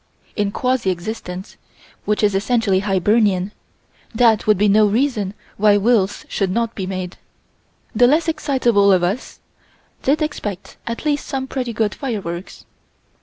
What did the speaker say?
In quasi existence, which is essentially Hibernian, that would be no reason why wills should not be made. The less excitable of us did expect at least some pretty good fireworks.